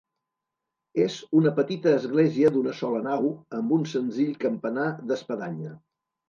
És una petita església d'una sola nau, amb un senzill campanar d'espadanya.